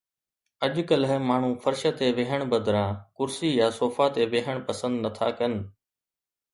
اڄڪلهه ماڻهو فرش تي ويهڻ بدران ڪرسي يا صوفا تي ويهڻ پسند نٿا ڪن